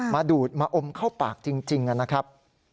มาดูดมาอมเข้าปากจริงนะครับ